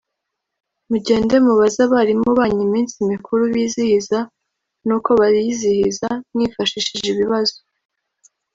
mugende mubaze abarimu banyu iminsi mikuru bizihiza n‘uko bayizihiza, mwifashishije ibibazo